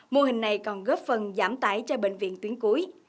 mô hình này còn góp phần giảm tải cho bệnh viện tuyến cuối